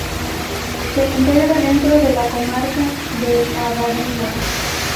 Se integra dentro de la comarca de El Abadengo.